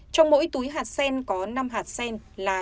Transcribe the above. trong mỗi túi hạt sen có năm hạt sen là